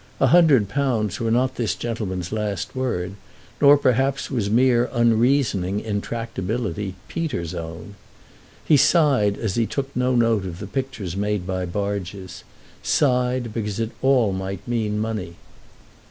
A hundred pounds were not this gentleman's last word, nor perhaps was mere unreasoning intractability Peter's own. He sighed as he took no note of the pictures made by barges—sighed because it all might mean money.